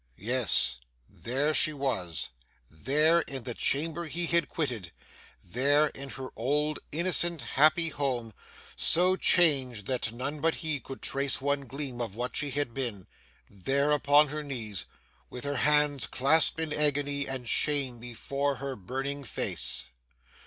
Yes, there she was,—there, in the chamber he had quitted,—there in her old innocent, happy home, so changed that none but he could trace one gleam of what she had been,—there upon her knees,—with her hands clasped in agony and shame before her burning face.